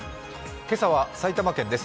今朝は埼玉県です